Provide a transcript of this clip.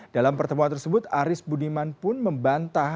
dalam pertemuan tersebut aris budiman pun membantah